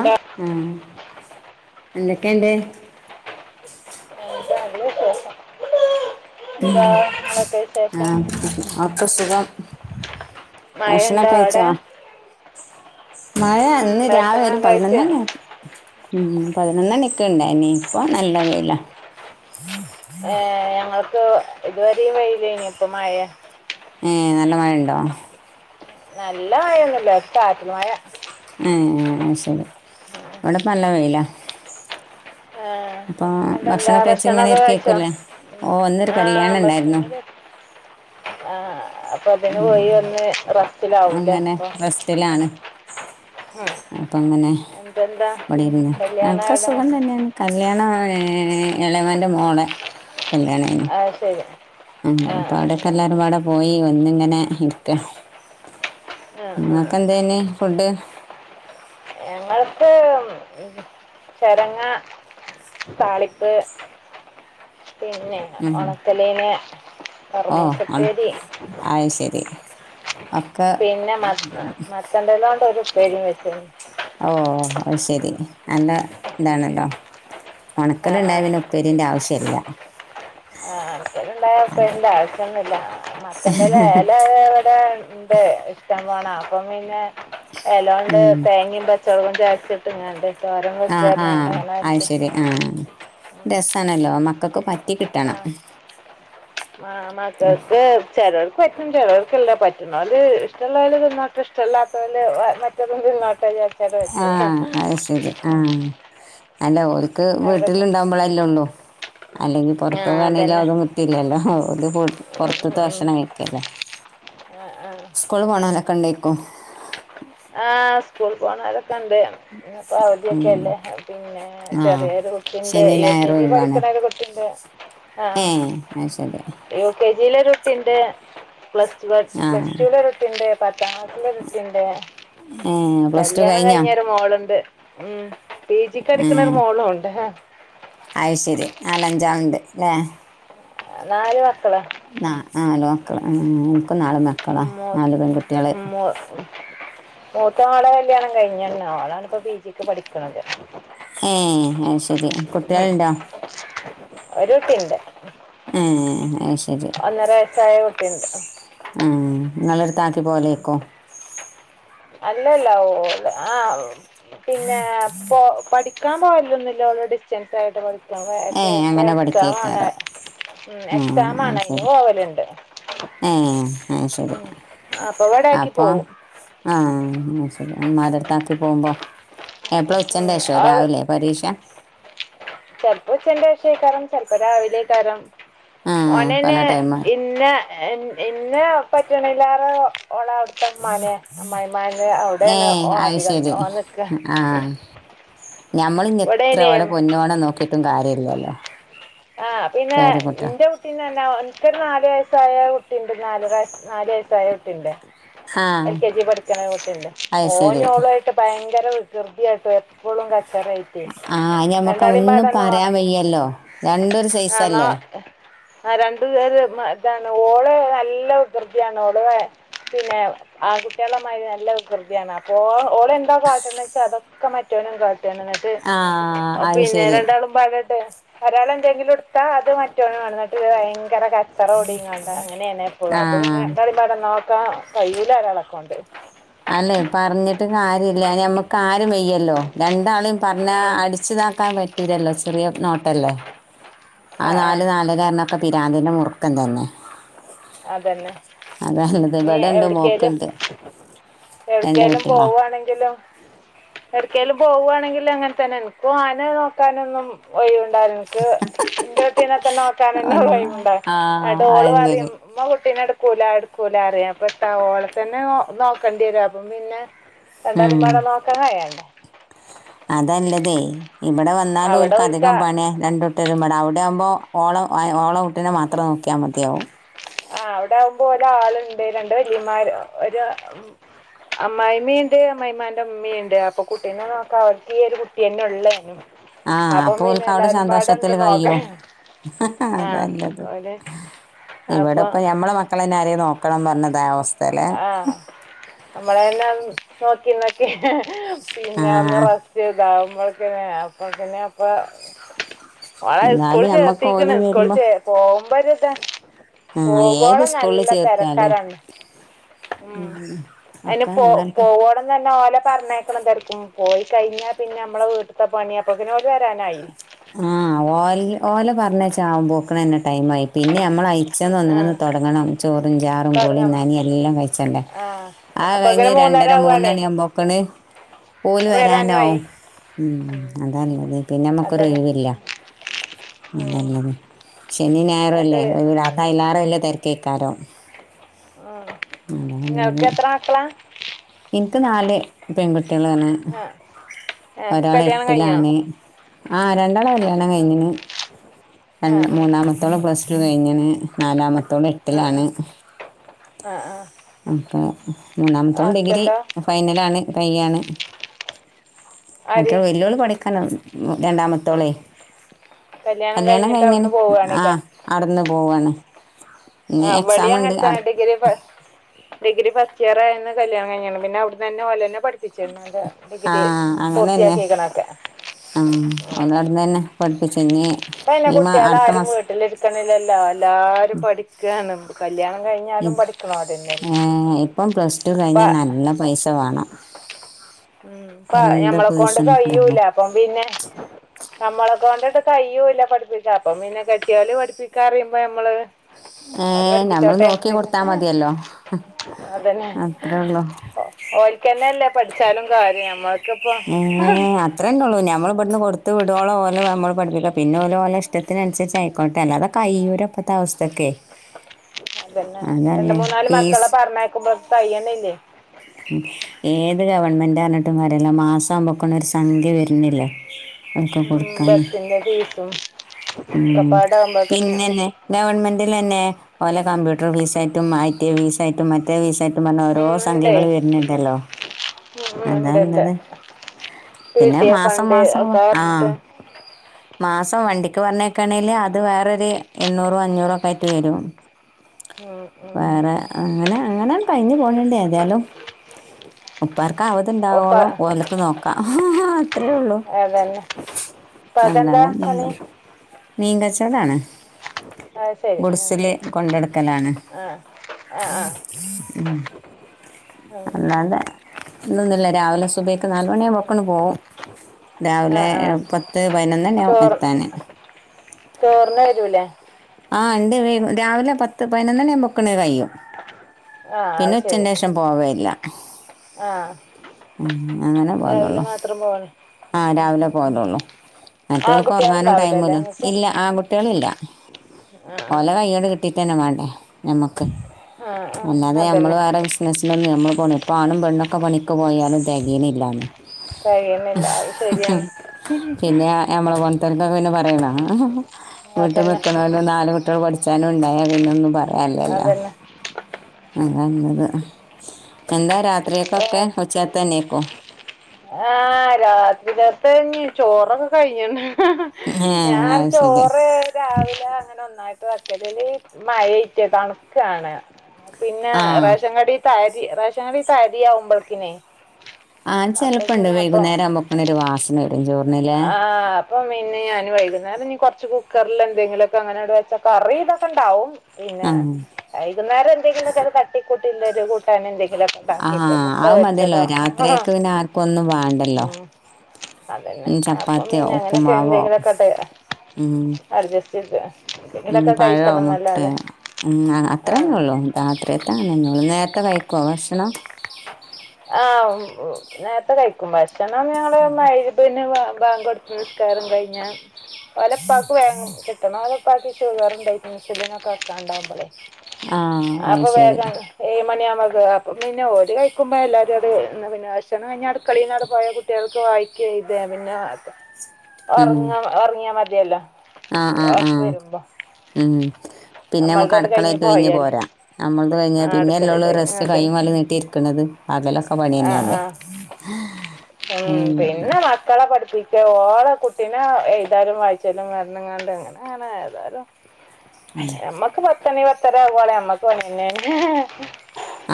ആ ആഹ് എന്തൊക്കെയണ്ട് [unintelligible] നിങ്ങളൊക്കെ വിശേഷം ആ ഒക്കെ സുഖം മഴ ഉണ്ടോ ഭക്ഷണൊക്കെ അവിടെ കഴിച്ചോ മഴ ഉം, ഇന്ന് രാവിലെ ഭക്ഷണം ഒരു കഴിച്ച് പതിനൊന്നണി ആയ- ഉം പതിനൊന്നണിക്ക് ഉണ്ടയിനി ഇപ്പം നല്ല വേയിലാ ഏ ഞങ്ങൾ ഉം ഇതുവരെയും വെയിലായിനി ഇപ്പം മഴേ ഏ നല്ല മഴണ്ടോ? നല്ല മഴൊന്നുല്ല ഒരു ചാറ്റൽ മഴ അ്ഏ ശരി ഇവിടെപ്പം നല്ല വെയിലാ ആ ഇപ്പൊ പിന്നെന്താ കഴിച്ച് ഇങ്ങനെ ഭക്ഷണൊക്കെ കഴിച്ചോ ഇരിക്കേക്കൂല്ലേ ഓഹ് ഇന്നൊരു ആഹ് കല്യാണം ഭക്ഷണം ഉണ്ടായിരുന്നു കഴിച്ച് ആ അപ്പൊ പിന്നെ പോയി വന്ന് റെസ് അങ്ങനെ ബസ്റ്റിലാണ്. ഉം. അപ്പൊ അങ്ങനെ എന്തെന്താ പണി ഒക്കെ ക കല്യാണം എൻക്ക അവിടെ സുഖംതന്നെയാണ് കല്യാണ- ഏഹ് എളമൻ്റെ മോളെ അഹ് ശരി ആ അപ്പൊ ആടൊക്കെ എല്ലാരും പാടെ പോയി എന്നിങ്ങനെ ഇരിക്കാ ആ ആ ആ നിങ്ങക്കെന്തയിനി ഫുഡ്? ഞങ്ങൾക്ക് ചരങ്ങ താളിപ്പ് പിന്നെ ഉം. ഒണക്കലീന് ഓ ഓൺ അയ് ശരി ഒക്കെ പിന്നെ മത്ത മത്തൻ്റെ ലോണ്ട് ഒരു പ്പേരി വച്ചു ഓ അയ് ശെരി നല്ല ഇതാണല്ലോ. ആ ഒണക്കല്ണ്ടായാ പിന്നെ ആ ഉപ്പേരിന്റെ ആവശ്യല്ല. [unintelligible] അത്ണ്ടായപ്പ അയ്ന്റെ ആവശ്യൊന്നില്ല മത്തന്റെല എല ഇവിടെ ഉണ്ട് ഇഷ്ടം വേണോ അപ്പം പിന്നെ എലോണ്ട് ഉം. തേങ്ങയും പച്ചള്ളും. ജാക്കറ്റ്ങ്ങനേണ്ട്? ആഹ് ആഹ് അ ശരി ആഹ്. രസാണല്ലോ മക്കൾക്ക് പ ആഹ് മാ മക്കൾക്ക് ചെലോർ പറ്റും ചിലോർക്കല്ല പറ്റ്‌ണോല് ഇഷ്ടള്ളാല് തിന്നോട്ടെ ഇഷ്ടല്ലാത്തോര് മറ്റേതും തിന്നോട്ടെന്ന് വിചാ- ആഹ് അത് ശരി ആഹ്. അല്ല ഓര് ക്ക്‌ അതൊക്കെ വീട്ടിലുണ്ടവുമ്പോളല്ലേ ഉള്ളു അല്ലെങ്കി ആ പൊറത്ത് പോവാനായി അതന്നെ നിവർത്തി ഇല്ലാലോ പൊറത്തത്ത ഉം, ഉം. ഭക്ഷണം ക്കയക്കെല്ലേ ആ, ആ. സ്കൂളി പോണം കൊണ്ട് കൊ പോണ കണ്ട് അപ്പോൾ അവധിയൊക്കെയല്ലേ പിന്നെ ആ ചെറിയൊരു കുട്ടിയുണ്ട് ശനി യു കെ ഞായർ ജി ഒഴിവാണ് പഠിക്കുന്ന ഒരു കുട്ടിയുണ്ട്. ഏ ആഹ് അത് ശരി യു കെ ജി ലോരുട്ടിയുണ്ട് പ്ലസ് വൺ ആ പ്ലസ് ടുലെ റട്ടി ഉണ്ട് പത്താം ക്ലാസിലെ റട്ടിണ്ട് ഏ പ്ലസ് ടു കഴിഞ്ഞാ ണ്ട് ഉം പി ജി ക്ക്‌ പടിക്കണ ഒരു മോളും ണ്ട് അയ്ശരി നാലഞ്ചാംണ്ട് ല്ലേ നാല് മക്കള ന ആ ലോക്കള ആ ഇപ്പ നാല് മക്കളാ നാല് മൂ- പെൺകുട്ടികള് മൂ- മൂത്ത മോളെ കല്യാണം കഴിഞ്ഞ ആളാണ് ഇപ്പൊ പി ജിക്ക് പഠിക്കണത് ഏ അയ്ശെരി ഉം. കുട്ടിളുണ്ടോ ഒരു കുട്ടിണ്ട് ആ അയ്ശ ഒന്നര വയസ്സായ കു ട്ടിണ്ട് ഉം നിങ്ങളടുത്താക്കി പോലേകു അല്ലല്ല ഓ പിന്നെ പോ പഠിക്കാൻ പോവില്ലൊന്നില്ല ഓള് ഡിസ്റ്റൻസ് ആയിട്ട് പഠി [unintelligible] ഏ പ്പം അങ്ങനെ എക്സാം ആണ് പഠിക്കേക്കാരോ ഉം എക്സാം ആണ് അത് ല്ലെ ശരി പോവലുണ്ട് ആ ശരി ഉം. അപ്പൊ ഇവിടെ ആക്കി അപ്പോ പോവും ആ മാരടത്താക്കി പോകുമ്പോ എപ്പള ഉം. ഉച്ചന്റെേഷോ ആള് രാവിലെ പരീക്ഷ ന്റെഷയക്കാരം ചെൽപ്പം രാവിലെക്കാരം ആ ഓനെ പല ന്നെ ടൈമാ ഇന്ന ഇന്ന [unintelligible] ഓള് അവിടെ പട്ടമ്മാനെ അമ്മായിമാന ഏ അവിടെയാണ് ഓ അത് അധികം ശരി ഓ നിക്ക ഞമ്മൾ ഇങ്ങ് എത്ര ഓരെ ഇവിടേനേം പൊന്നുപൊലെ നോക്കിയിട്ടും കാര്യലൃ [unintelligible] ആ പിന്നെ ഇന്റെ കുട്ടീനേ [unintelligible] എനിക്കൊരു നാല് വയസ്സായ കുട്ടിയുണ്ട് നാലര നാല് വയസ്സായ കുട്ടിയുണ്ട് ആ എൽ കെ ജി പഠിക്കണകുട്ടിയുണ്ട് അത് ശരി ഓനോളുആയിട്ട് ഭയങ്ക ചെല വികൃതിയായിട്ട് എപ്പോഴും കര ആ ഞമ്മക്ക് ഒന്നും നോ പറയാൻ വയ്യല്ലോ രണ്ടൊരു ആണോ സൈസല്ലേ ആ രണ്ടു പേര് മ് ഇതാണ് ഓള് നല്ല വികൃതിയാണ് ഓള് പിന്നെ ആൺകുട്ടികളെ മാരി നല്ല വികൃതിയാണ് അപ്പൊ ഓള എന്താ കാട്ടന്ന് വെച്ചാ അതൊക്കെ മറ്റോനും കാട്ടും ആ [unintelligible] അത് പിന്നെ ശരി രണ്ടാളും പാകട്ടെ അരാളെ എന്തെങ്കിലും ത്താ അത് മറ്റോന് വന്നിട്ട് ഇത് ഭയങ്കര കര ആ [unintelligible] ആ കയ്യുല ഒരാളെ കൊണ്ട് അല്ലെ പറഞ്ഞിട്ട് കാര്യമില്ല ഞമ്മക്ക് കാ വെയ്യല്ലോ രണ്ടാളും പറഞ്ഞ ഉം. അടിച്ചുതാക്കാൻ പറ്റുലല്ലോ ചെറിയ നോട്ടല്ലേ ആ നാല് നാലര കാരണം ക്കപി പ്രാന്തിന്റെ മുറുക്കം തന്നെ അതന്നെ അതല്ലത് നി ഇവിടെ ഉണ്ട് എവിടക്കേലും മോക്കുണ്ട് രണ്ട് എവിടക്കേലും കുട്ടികളാ പോകുവാണെങ്കിലും എവിടക്കേലും പോവുവാണ എങ്കിലും അങ്ങനെ തന്നെണ് ഓആനെ നോക്കാനൊന്നും ഒഴിവ് എന്ക് ൻറെ കുട്ടിനെ തന്നെ നോക്കാൻ അന്നാ ഒഴിവുണ്ടോ ആ എന്നിട്ട് ഓള് അത് ശരി പറയും ഉമ്മ കുട്ടീനെ എടുക്കൂല എടുക്കൂല അറിയാം പെട്ട ഓളെ തന്നെ നോക്കേണ്ടി വരും അപ്പം പിന്നെ [unintelligible] അതല്ലതെ ഇവിടെ വന്നാലും അവിടെ ഓൽക്ക് ഒരുക്ക അധികം പണി രണ്ടുട്ടരും [unintelligible] ഇതാകുമ്പോ ഓളോ ഐ ഓളൊ ഒന്നിനെ മാത്രം നോക്കിയാൽ മതിയാവും ആ അവിടെ ആവുമ്പോ ഒരാളുണ്ട് രണ്ട് വല്ലൃയമാര് ഒരു അമ്മായിമ്മണ്ട് അമ്മായിയമാന്റെ ഉമ്മയുണ്ട് അപ്പൊ കുട്ടീനെ നോക്കാ അവർക്ക് ഈ ഒരു കുട്ടീനെ ഉള്ളേനും ആ അപ്പം പിന്നെ അപ്പോൽക്ക് അവിടെ എല്ലാവരും പാടെ സന്തോഷത്തിൽ ഉണ്ട് കയൃം നോക്കാൻ ആ അതല്ലത് ഓല് ഇവിടെ അപ്പോൾ ഇപ്പ ഞമ്മളെ മക്കളെ പിരെേ നോക്കണം പറഞ്ഞത് അവസ്ഥ ആഹ നമ്മളല്ലാം നോക്കി നോക്കി ആ പിന്നെ ഒന്ന് റസ്റ്റ് ചെയ്തും നമ്മൾക്കെ അപ്പ പിന്നെപ്പ വളെ സ്കൂള എന്നാലും നമ്മക്ക് ഓല് ചേർത്തിക്കണ് വരുമ്പോ സ്കൂളിച്ച പോകുമ്പോ കുത്ത ആ ഏത് കോഗോളം സ്കൂളിൽ നല്ല ചേർത്താലും തിരക്കാരാണ് മ് അതി ഒക്കെ പോ നല്ലവർക്ക് പോവണം തന്ന ഓലെ പറഞ്ഞേക്കണം തിരക്കും പോയി കഴിഞ്ഞാൽ പിന്നെ നമ്മളെ വീട്ടത്തെ പണിയപ്പക്കിനോട് വരാനായി ആ ഓല ഓല പറഞ്ഞച്ച ആവ പോോക്കണന്നെ ടൈം ആയി പിന്നെ നമ്മ ആ ഒന്ന തുടങ്ങ ചോറുംാറുംളി തുടങ്ങാം നാന എല്ലാം കഴിച്ച ആ ആ കഴിഞ്ഞ് അപ്പോഴേക്കിനും മൂന്നര രണ്ടര ആവുകയാണേ മൂന്നണിയുമ്പോക്കല് വരാനും വരാനുമായി ഉം അതല്ലത് പിന്നെ അതന്നെ ഉം പറയില്ലത് ശനി ഞായറുംല്ലേ ന്നട്ട് അയലാറല്ല തിര കേക്കാരോ മ് പിന്ന ഒക്ക അതാണുള്ളത് എത്ര ആക്കലാം എനിക്ക് നാല് പെൺകുട്ടികളാണ് ആഹ് ഇങ്ങക്ക് ഒരാൾ കല്യാണം കഴിഞ്ഞോ എട്ടിലാണ് ആ രണ്ടാള കല്യാണം ആഹ് കഴിഞ്ഞന് ആഹ് ആഹ് മൂന്നാമത്തോളം പ്ലസ് ടു കഴിഞ്ഞന് നാലാമത്തോടെ എട്ടിലാണ് ആ ആ നമുക്ക് മൂന്നാമതോളും ഡിഗ്രി ഫൈനലാണ് കൈ ആണ് [inaudible] ആര് മറ്റേ വെല്ലുവിള് പഠിക്കാന രണ്ടാമത്തോളേ കല്യാണം കഴിഞ്ഞിട്ട് കഴിഞ്ഞന് അവിടുന്ന് ആ അടന്ന് പോവയാണ് ആ ആ വെളി അങ്ങനെത്തന ഡിഗ്ര ഡിഗ്രി ഫസ്റ്റ്യർ ആയന്ന് കല്യാ കഴിഞ്ഞാണ് പിന്നെ അവിടന്നെഓലന്നെ പിക്ക ആ ഡിഗ്രി അങ്ങനെ പൂർത്തിയാ തന്നെ കേക്കണൊക്കെ ആ മ് ഓലവിടുന്ന് തന്നെ പഠിപ്പിച്ചു ഇനി പിന്നെ ഈ മാ കുട്ടികള അടുത്ത ആാരും മാസം വീട്ടിലിരിക്കണില്ലല്ലോ എല്ലാരും പഠിക്കാണ് കല്യാണം ഏ കഴിഞ്ഞാലും പഠിക്കണോരന്നെ ഇപ്പം പ്ലസ് ടു ഇപ്പ കഴിഞ്ഞാൽ നല്ല പൈസ വേണം മ് എന്ത് ഞമ്മളെക്ക ഫീസ് കൊണ്ട് കഴൂല എടുക്കണം അപ്പം പിന്നെ നമ്മളൊക്കെ കൊണ്ടിട്ട് കയ്യൂല്ല പഠിപ്പിച്ച അപ്പം പിന്നെ കെട്ടിയല് പഠിപ്പിക്കാ അറിയുമ്പോ നമ്മള് പ ഏഹ് നമ്മൾ പഠിപ്പിച്ചോട്ടെ നോക്കി കൊടുത്താ മതിയല്ലോ അതന്നെ അത്രേ ഉള്ളു ഓരിക്കന്നെല്ലേ പഠ കാര്യം നമ്മ മ് അത്രേ ഉള്ളൂ ഞമ്മൾ പെന്ന് കൊടൂത്ത് വിടവോളം ഓന് നമ്മള് പഠിപ്പിക്ക പിന്നെ ഓന് ഇഷ്ടത്തിനുരിച്ചു ആയിക്കോട്ട അല്ലാതെ കയ്യൂല ഇപ്പത്തെ അവസ്ഥക്കേ അതന്നെ രണ്ട അതല്ലേ മൂന്നാല് മക്കളെ ഫീസ് പറഞ്ഞേക്കുമ്പോ തയ്ണ ഇല്ലേ ഏത് ഗവൺമെന്റ്ഞ്ഞിട്ടും വരല്ലോ മാസ [unintelligible] സംഭവക്കണ ഒരു സംഖ്യ വരുന്നില്ല ഒതക്കെ ഉം കൊടുക്കൻ ബസിന്റെ ഫീസും ഉം ഒക്കപ്പാടാകുമ്പോത്തിന് പിന്നന്നെ ഗവൺമെന്റിൽ തന്നെ ഓലെ കമ്പ്യൂട്ടർ ഫീസ ആയിട്ടും [unintelligible] വിസായിട്ട് മറ്റേ വിസ് [unintelligible] ഉം [unintelligible] ഇണ്ടേ ഉം അതാ ഇണ്ട് ഇണ്ട് ല്ലത് പി പിന്നെ ടി എ മാസം ഫണ്ട് മാസം ഒക്കെ ആ പറഞ്ഞിട്ട് മാസം വണ്ടിക്ക് പറഞ്ഞേക്ക് ക്കണേൽ അത് വേറൊരു എണ്ണൂറോ അഞ്ഞൂറ ഒക്കെ ആയിട്ട് വരും ഉം ഉം വേറെ അങ്ങനെ അങ്ങനാണ് കഴിഞ്ഞു പോണണ്ടത് ലും ഉപ്പാർക്ക് അവത് ഒപ്പ ഉണ്ടാവോള ഓലക്ക് നോക്കാം അത്രേ ഉള്ളു അതന്നെ ഇപ്പാക്കെന്താ പണി [unintelligible] മീൻ കച്ച ച്ചതാണ് ആ ശരി ആ ആ ആ ആ അല്ലാതെ ഇന്തൊന്നുമില്ല രാവിലെ സുബക്ക് നാലുമണിയുമ്പോക്ക [unintelligible] പോകവും ആ രാവിലെ ആ പത്ത് പതിനൊന്ന്ന്നെയ എത്താന് ചേറിന്ന വരുലേ ആ രണ്ട് രാവിലെ പത്ത് പതിനോണി ബുക്കണ കയിയും ആ അത് പിന്നെ ഉച്ചന് ശരി ശേഷം പോവയില്ല ആ അങ്ങനെ രാവിലെ പോയലുള്ളു മാത്രം പോവാണ് ആ രാവിലെ പോലുള്ളൂ ആ മറ്റുകൾക്ക് ഉറങ്ങാനും കുട്ടികളുണ്ടാവൂലല്ലേ ടൈമല്ല ഇങ്ങക്ക് ഇല്ല ആൺകുട്ടികളല്ല ആ ഓല കയ്യോട് കിട്ടീട്ട് തന്നെ മാ അ നഞമ ആ ആ ആ അല്ലാതെ നമ്മള് അതന്നെ വേറെ ബിസിനസ് ഒന്നും നമ്മ പെണ്ണൊക്കെ പണിക്ക് പോയാലും ദഗീനില്ലാന്ന് കഴിയുന്നില്ല അത് ശരിയാണ് ഇക്ക പിന്നെ പറയണ അതന്ന കണല്ലോ നാലല് കുട്ടികൾ പഠിച്ചാലും ഉണ്ടായ പിന്നൊന്നും പറയാലേല്ലോ അതന്നെ അതല്ലത് എന്താ രാ എറ ആ രാത്രി ത ത നീ ചോറൊക്കെ കായി ഏ ഞാൻ അത് ശരി ചോറ് രാവിലെ അങ്ങനെ ഒന്നായി [unintelligible] ക്കല് മഴറ്റ കണുക്കാണ് പിന്നെ ആ റേഷൻ കഡ ത റേഷനരി പതിയമ്പൾക്കിനേ ആ ചെലപ്പുണ്ട് വൈകുന്നേരം അമ്മക്കണ ഒരു വാസന വരും ചോറിനിലേ ആ അപ്പം പിന്നെ ഞാന് വൈകുന്നേരം ഇനി കുറച്ച് കുക്കറിൽ എന്തെങ്കിലുമൊക്കെ അങ്ങനെട് വെച്ചൽ കറി ഇതൊക്കെണ്ടാവും പിന്നെ ആ ആയി മുന്നേര എന്തെങ്കിലും ചെല തട്ടിക്കട്ടുള്ളരു കൂട്ടാണ് എന്തെങ്കിലും ആ ആ മതിയല്ലോ രാത്രിയൊക്കെ പിന്നെ ആർക്കും ഒന്നും വേണ്ടല്ലോ ഉം, അതന്നെ ഉം അപ്പം ചപ്പാത്തിയോ പിന്നെ അങ്ങനെയൊക്കെ ഉപ്പുമാവോ എന്തെങ്കിലുമൊക്കെ ഉം അഡ്ജസ്റ്റ് ചെയ്ത് ഉം എന്തെങ്കിലുമൊക്കെ പഴമോ കഴിക്കണം മുട്ട എന്നല്ലാതെ ഉം ആ അത്രന്നേ ഉള്ളൂ രാത്രിയത്ത അങ്ങനെ ഉള്ളൂ നേരത്തെ കഴി ഉം ആ നേരത്തെ കഴിക്കുബ ഭക്ഷണം ഞങ്ങള് മഗ്‌രിബിന് ബാ ബാങ്ക് കൊടുത്ത് നിസ്കാരം കഴിഞ്ഞ വലപ്പാക്ക് വേ കിട്ടണം പട്ടി ഷോകാറ ഉണ്ടായി സിലിനനക്കാണ്ടാവക്പോളെ ആ അത് അപ്പൊ ശരി വേകാണ് ഏഴ് മണിയാവു അപ്പം പിന്നെ ഓര് കഴിക്കുമ്പോ എല്ലാരും അത് എന്ന പിന്നെ ബക് വയനാട് കളിയ നാട് പോയ കുട്ടികൾക്ക് വായിക്ക ഇദേ പിന്നാ ഉം ഉറങ്ങ ഉറങ്ങിയാ മതി തിയല്ല ആ ആഹ് ആ ഉം പിന്നെ നമുക്ക് നമ്മളതത് അടുക്കളായിട്ട് കഴിഞ്ഞ് പോയാല് പോരാം നമ്മൾത് കഴിഞ്ഞ ആ പിന്നെ എല്ല അടുക്കളേത്തെ റെസ്റ്റ് അങ്ങനെ കഴി തന്നെ മല നീട്ടി ഇരിക്കണത് പകലൊക്കെ പണി ആഹ് ആഹ് ഉം തന്നെയല്ലേല്ലത് പിന്നെ മക്കളെ പഠിപ്പിക്ക ഓടെ കുട്ടീനെ ഏതാലും വായിച്ചാലും മരണംങ്ങാണ്ട് അങ്ങനെ അങ്ങനെ ഏതായാലും അതെ നമ്മക്ക് പത്തണി പ ഇത്ര പോളെ അമ്മക്ക് വന്നെ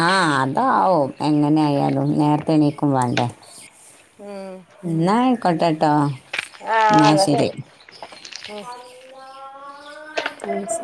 ആ അതാവും എങ്ങനെ ആയാലും നേരത്തെ എണീക്കും വേണ്ടേ ഉം എന്ന കൊട്ടാട്ടോ ആ എന്നാ ശരി വാ ഓ സ